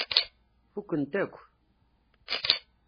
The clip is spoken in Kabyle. Fukken-t akk.